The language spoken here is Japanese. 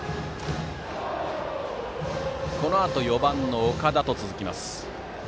このあと４番の岡田と続きます。